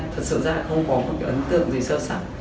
thật sự ra không có một cái ấn tượng gì sâu sắc